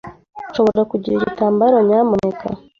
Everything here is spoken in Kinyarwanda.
Nshobora kugira igitambaro, nyamuneka?